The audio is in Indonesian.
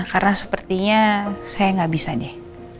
karena sepertinya saya gak bisa deh